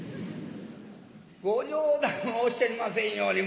「ご冗談をおっしゃりませんように。